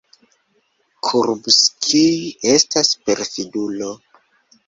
Kurbskij estas perfidulo.